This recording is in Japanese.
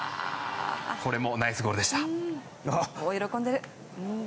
これもナイスゴールでした。